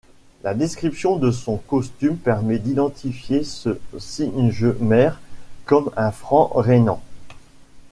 La description de son costume permet d'identifier ce Sigemer comme un franc rhénan.